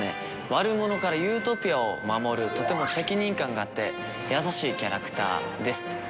悪者からユートピアを守るとても責任感があって優しいキャラクターです。